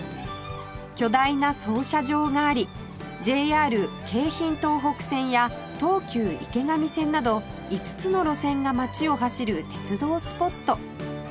巨大な操車場があり ＪＲ 京浜東北線や東急池上線など５つの路線が街を走る鉄道スポット